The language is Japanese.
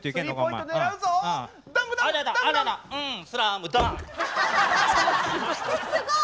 えすごい！